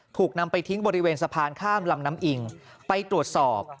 ถูกนำไปทิ้งบริเวณสะพานข้ามลำน้ำอิงไปตรวจสอบ